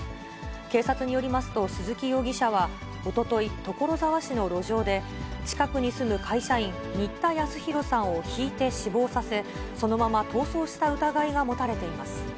警察によりますと、鈴木容疑者は、おととい、所沢市の路上で、近くに住む会社員、新田恭弘さんをひいて死亡させ、そのまま逃走した疑いが持たれています。